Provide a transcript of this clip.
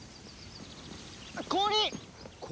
氷！